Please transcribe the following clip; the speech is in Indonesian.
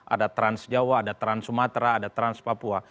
ada trans jawa ada trans sumatera ada trans papua